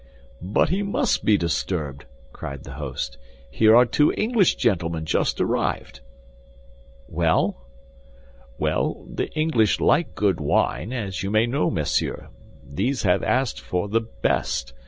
"But he must be disturbed," cried the host; "Here are two English gentlemen just arrived." "Well?" "Well, the English like good wine, as you may know, monsieur; these have asked for the best.